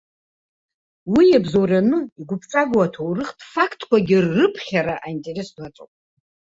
Уи иабзоураны, игәыԥҵәагоу аҭоурыхтә фақтқәагьы рыԥхьара аинтерес ду аҵоуп.